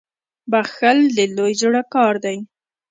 • بخښل د لوی زړه کار دی.